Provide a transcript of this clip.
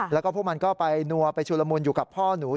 แล้วก็พวกมันก็ไปนัวไปชุลมุนอยู่กับพ่อหนู